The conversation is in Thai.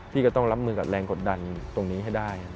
พี่ก็ต้องรับมือกับแรงกดดันตรงนี้ให้ได้